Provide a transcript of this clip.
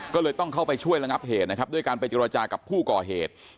ก็เลยต้องเข้าไปช่วยระงับเหตุนะครับด้วยการไปเจรจากับผู้ก่อเหตุ